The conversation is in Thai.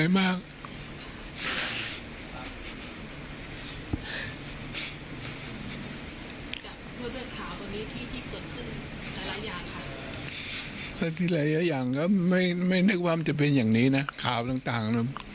ไม่นึกว่ามันจะเป็นอย่างนี้นะข่าวต่าง